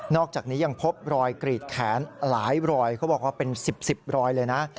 อกจากนี้ยังพบรอยกรีดแขนหลายรอยเขาบอกว่าเป็น๑๐๑๐รอยเลยนะ